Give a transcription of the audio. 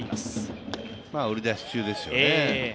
売り出し中ですよね。